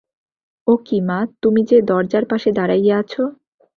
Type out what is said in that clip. ও কি মা, তুমি যে দরজার পাশে দাঁড়াইয়া আছ!